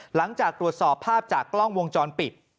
หลังจากตรวจสอบภาพจากกล้องวงจรปิด